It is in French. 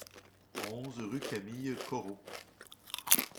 onze rue Camille Corot